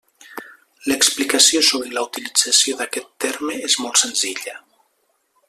L'explicació sobre la utilització d'aquest terme és molt senzilla.